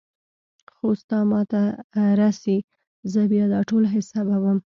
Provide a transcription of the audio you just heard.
خو ستا ما ته رسي زه بيا دا ټول حسابوم.